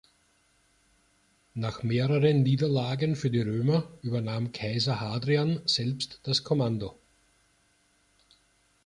Nach mehreren Niederlagen für die Römer, übernahm Kaiser Hadrian selbst das Kommando.